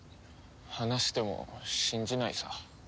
話しても信じないさ。